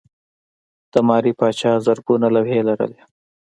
د ماري پاچا زرګونه لوحې لرلې.